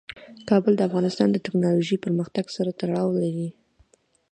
کابل د افغانستان د تکنالوژۍ پرمختګ سره تړاو لري.